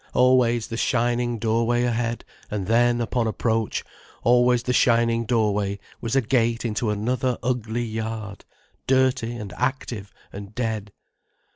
Always the shining doorway ahead; and then, upon approach, always the shining doorway was a gate into another ugly yard, dirty and active and dead.